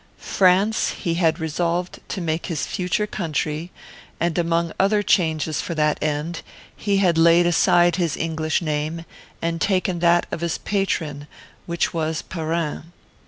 France he had resolved to make his future country, and, among other changes for that end, he had laid aside his English name, and taken that of his patron, which was Perrin.